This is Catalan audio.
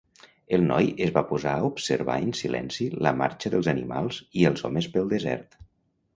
El noi es va posar a observar en silenci la marxa dels animals i els homes pel desert.